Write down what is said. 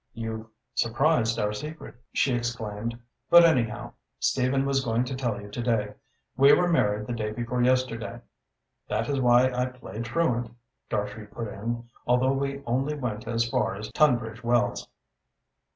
"You've surprised our secret," she exclaimed, "but anyhow, Stephen was going to tell you to day. We were married the day before yesterday." "That is why I played truant," Dartrey put in, "although we only went as far as Tunbridge Wells."